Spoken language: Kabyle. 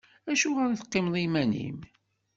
Acuɣeṛ i teqqimeḍ iman-im?